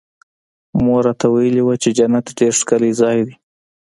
مور راته ويلي وو چې جنت ډېر ښکلى ځاى دى.